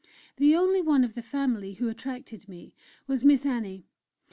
The only one of the family who attracted me was Miss Annie.